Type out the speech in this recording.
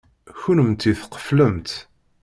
Kennemti tqeflemt.